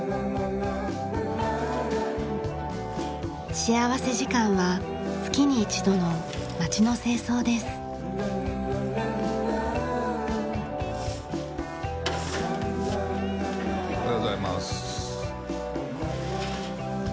幸福時間は月に一度のおはようございます。